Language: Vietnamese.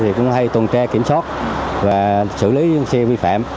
thì cũng hay tuần tra kiểm soát và xử lý những xe vi phạm